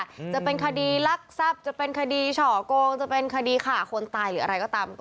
จะเป็นคดีลักทรัพย์จะเป็นคดีเฉาะโกงจะเป็นคดีฆ่าคนตายหรืออะไรก็ตามก็